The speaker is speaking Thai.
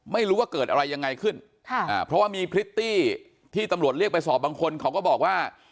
ไม่รู้ว่าเกิดอะไรยังไงขึ้นค่ะอ่าเพราะว่ามีพริตตี้ที่ตำรวจเรียกไปสอบบางคนเขาก็บอกว่า